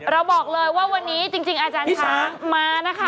เราบอกเลยว่าวันนี้จริงอาจารย์ช้างมานะคะ